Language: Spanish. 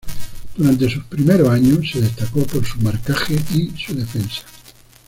Durante sus primeros años se destacó por su marcaje y su defensa.